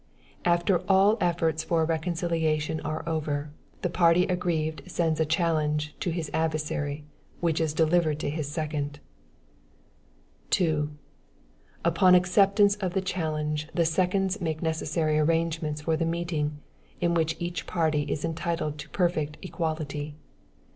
After all efforts for a reconciliation are over, the party aggrieved sends a challenge to his adversary, which is delivered to his second. 2. Upon the acceptance of the challenge, the seconds make the necessary arrangements for the meeting, in which each party is entitled to a perfect equality.